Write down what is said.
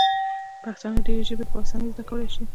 پښتانه ډیري ژبي په اسانۍ زده کولای سي.